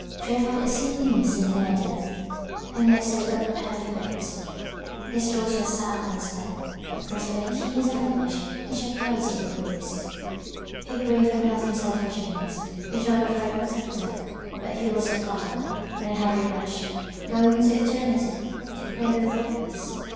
Terrified at seeing him so near death, and yet so ill prepared for it, his daughter sat by his bed, oppressed by the keenest anguish, which her piety increased. Her grief had nothing selfish in it; he was not a friend or protector; but he was her father, an unhappy wretch, going into eternity, depraved and thoughtless.